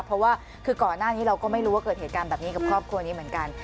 เพราะว่าคือก่อนหน้านี้เราก็ไม่รู้ว่าเกิดเหตุการณ์แบบนี้กับครอบครัวนี้เหมือนกัน